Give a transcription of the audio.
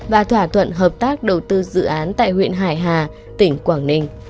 và thỏa thuận hợp tác đầu tư dự án tại huyện hải hà tỉnh quảng ninh